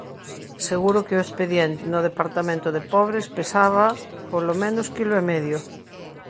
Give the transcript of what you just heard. Seguro que o expediente no Departamento de Pobres pesaba polo menos quilo e medio.